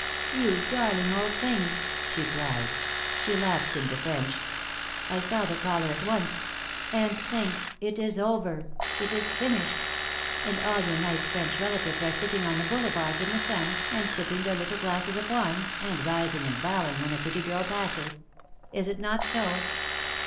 "You darling old thing!" she cried. She lapsed into French. "I saw the collar at once. And think, it is over! It is finished. And all your nice French relatives are sitting on the boulevards in the sun, and sipping their little glasses of wine, and rising and bowing when a pretty girl passes. Is it not so?"